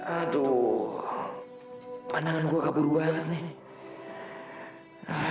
aduh pandangan gua gak berubah